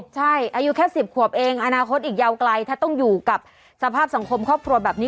ใช่อายุแค่๑๐ขวบเองอนาคตอีกยาวไกลถ้าต้องอยู่กับสภาพสังคมครอบครัวแบบนี้